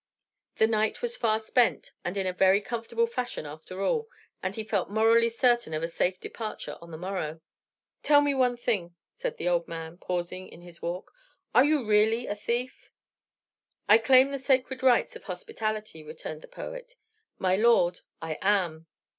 The night was far spent, and in a very comfortable fashion after all; and he felt morally certain of a safe departure on the morrow. "Tell me one thing," said the old man, pausing in his walk. "Are you really a thief?" "I claim the sacred rights of hospitality," returned the poet. "My lord, I am."